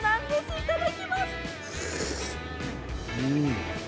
いただきます。